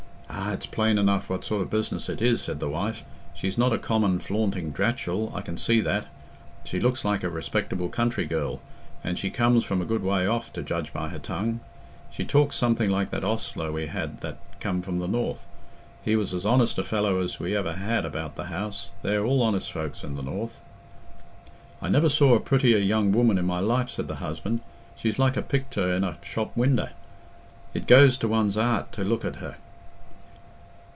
"Ah, it's plain enough what sort of business it is," said the wife. "She's not a common flaunting dratchell, I can see that. She looks like a respectable country girl, and she comes from a good way off, to judge by her tongue. She talks something like that ostler we had that come from the north. He was as honest a fellow as we ever had about the house—they're all honest folks in the north." "I never saw a prettier young woman in my life," said the husband. "She's like a pictur in a shop winder. It goes to one's 'eart to look at her."